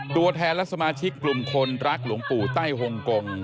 ตัวแทนและสมาชิกกลุ่มคนรักหลวงปู่ไต้ฮงกง